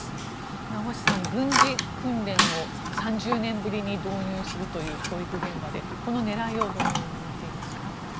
名越さん、軍事訓練を教育現場で３０年ぶりに導入するというこの狙いをどのように見ていますか？